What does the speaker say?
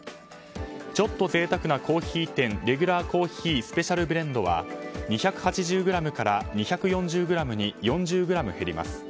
ちょっと贅沢な珈琲店レギュラー・コーヒースペシャル・ブレンドは２８０ｇから２４０ｇに４０ｇ減ります。